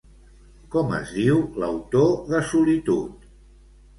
Com es diu l'autor de "Solitud"?